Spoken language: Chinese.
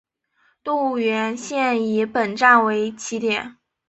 动物园线以本站为起点。